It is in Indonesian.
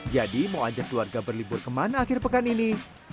jadi mau ajak keluarga berlibur ke mana akhir pekan ini